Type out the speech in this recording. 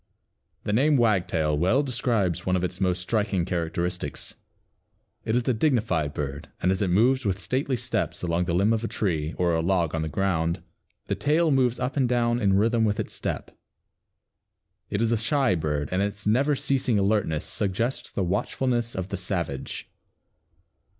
The name Wagtail well describes one of its most striking characteristics. It is a dignified bird, and as it moves with stately steps along the limb of a tree, or a log upon the ground, the tail moves up and down in rhythm with its step. It is a shy bird and its "never ceasing alertness suggests the watchfulness of the savage."